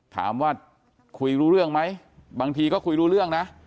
ถามว่าคุยรู้เรื่องไหมบางทีก็คุยรู้เรื่องนะ